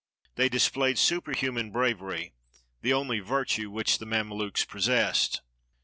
They displayed superhuman brav ery, the only virtue which the Mamelukes possessed.